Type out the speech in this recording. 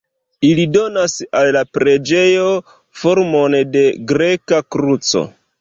Ili donas al la preĝejo formon de greka kruco.